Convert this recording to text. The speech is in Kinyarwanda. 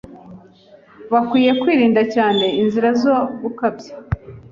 bakwiriye kwirinda cyane inzira zo gukabya.